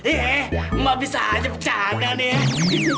eh mbak bisa aja bercanda nih